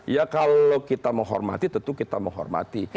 ya kalau kita menghormati tentu kita menghormati